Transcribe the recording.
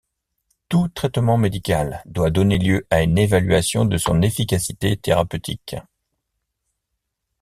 Tout traitement médical doit donner lieu à une évaluation de son efficacité thérapeutique.